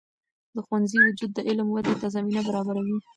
د ښوونځي وجود د علم ودې ته زمینه برابروي.